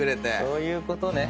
そういうことね。